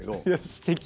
すてき。